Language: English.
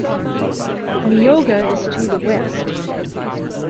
Neoga is to the west.